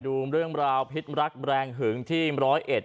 ดูเรื่องราวพิษรักแรงหึงที่ร้อยเอ็ด